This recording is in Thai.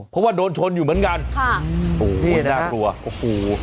เพราะว่าโดนชนอยู่เหมือนกันโอ้โฮน่ากลัวโอ้โฮนี่นะครับ